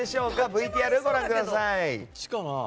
ＶＴＲをご覧ください。